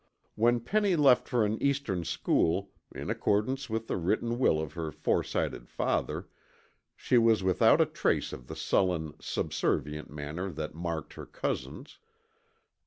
When Penny left for an Eastern school, in accordance with the written will of her foresighted father, she was without a trace of the sullen, subservient manner that marked her cousins.